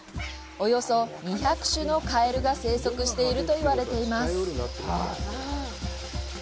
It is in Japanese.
およそ２００種のカエルが生息していると言われています。